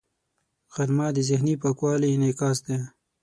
غرمه د ذهني پاکوالي انعکاس دی